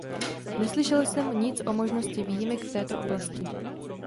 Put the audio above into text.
Neslyšel jsem nic o možnosti výjimek v této oblasti.